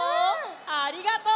ありがとう！